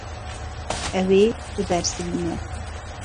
Ew ê bibersivîne.